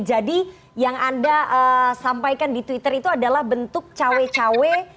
jadi yang anda sampaikan di twitter itu adalah bentuk cawe cawe